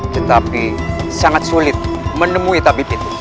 tetapi sangat sulit menemui tabib itu